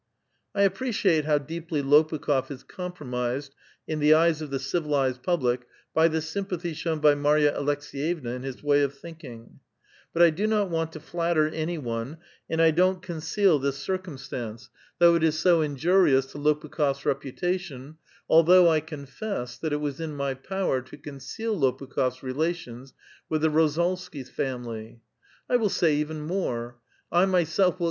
I appreciate how deeply Lopukh6f is compromised in the eyes of the civilized public by thc^ sympathy shown by Marya Aleks^vevna in his wav of thinkino;. But I do not want to flatter any one, and I don't conceal this circumstance, though P2 A VITAL QUESTION. it is so injurious to Ix>pukh6r8 reputation, although I con t'fs^iHl liiat it was in my power to conceal Liopukh6f's rela l.oiis with tlio Ivozalsky family. 1 will say even more; I my Self win i.'